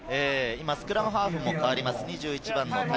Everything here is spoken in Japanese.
スクラムハーフも代わります。